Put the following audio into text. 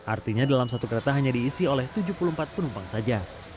artinya dalam satu kereta hanya diisi oleh tujuh puluh empat penumpang saja